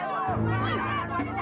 boleh menyaringi jid croye